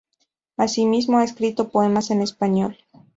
Asimismo ha escrito poemas en español.